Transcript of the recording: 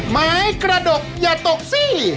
ไม้กระดกอย่าตกสิ